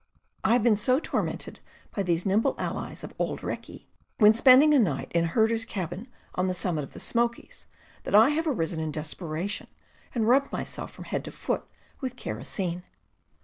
I have been so tormented by these nimble allies of Auld Reekie, when spending a night in a herder's cabin on the summit of the Smokies, that I have arisen in desperation and rubbed myself from head to foot with kerosene.